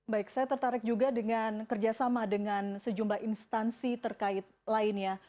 baik saya tertarik juga dengan kerjasama dengan sejumlah instansi terkait lainnya